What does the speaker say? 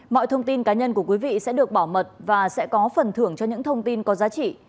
mọi thông tin cá nhân của quý vị sẽ được bảo mật và sẽ có phần thưởng cho những thông tin có giá trị